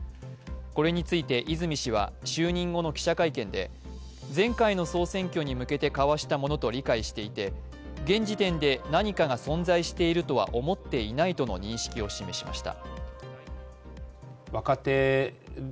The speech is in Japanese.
これについて泉氏は、就任後の記者会見で、前回の総選挙に向けて交わしたものと理解していて現時点で何かが存在しているとは思っていないとの認識を示しました。